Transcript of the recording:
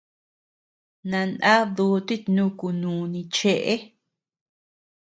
Nanad dutit nuku nuni chëe.